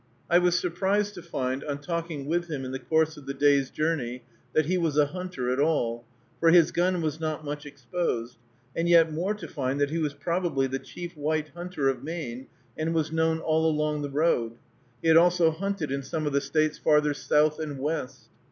I was surprised to find, on talking with him in the course of the day's journey, that he was a hunter at all, for his gun was not much exposed, and yet more to find that he was probably the chief white hunter of Maine, and was known all along the road. He had also hunted in some of the States farther south and west.